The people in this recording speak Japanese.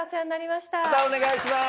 またお願いします。